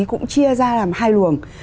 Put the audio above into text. cũng chia ra làm hai luồng